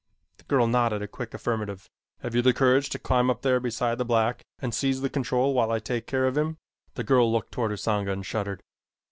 The girl nodded a quick affirmative. "Have you the courage to climb up there beside the black and seize the control while I take care of him?" The girl looked toward Usanga and shuddered.